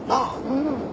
うん。